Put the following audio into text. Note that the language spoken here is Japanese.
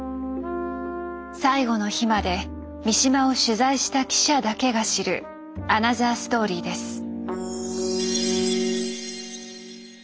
最後の日まで三島を取材した記者だけが知るアナザーストーリーです。